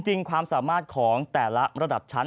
ความสามารถของแต่ละระดับชั้น